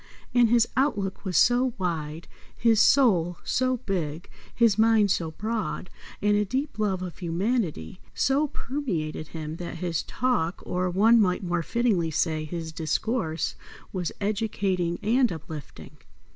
And his outlook was so wide, his soul so big, his mind so broad, and a deep love of humanity so permeated him that his talk, or one might more fittingly say, his discourse, was educating and uplifting.